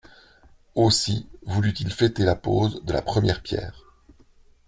Aussi voulut-il fêter la pose de la première pierre.